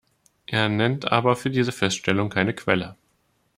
Er nennt aber für diese Feststellung keine Quelle.